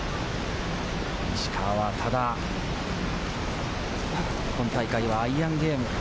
石川はただ、今大会はアイアンゲーム。